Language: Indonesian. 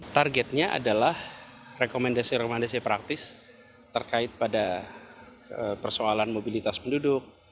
targetnya adalah rekomendasi rekomendasi praktis terkait pada persoalan mobilitas penduduk